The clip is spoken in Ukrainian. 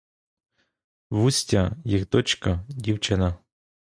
В у с т я, їх дочка, дівчина.